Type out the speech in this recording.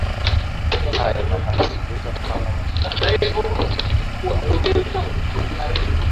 a imehesabika kwamba milioni ishirini yamesaidia kuambukiza